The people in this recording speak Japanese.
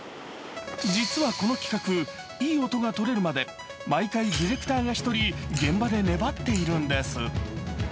実はこの企画、いい音が録れるまで毎回ディレクターが１人、現場で粘っているんです。